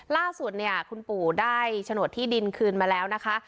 ล่าสุดเนี่ยคุณปู่ได้โฉนดที่ดินคืนมาแล้วนะคะ